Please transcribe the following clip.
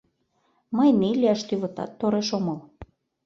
Мый ний лияш тӱвытат тореш омыл.